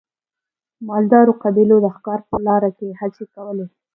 مالدارو قبیلو د ښکار په لاره کې هڅې کولې.